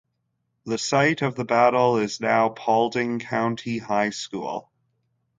The site of the battle is now Paulding County High School.